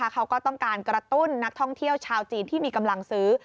เขาก็ต้องการกระตุ้นนักท่องเที่ยวชาวจีนที่มีกำลังซื้อ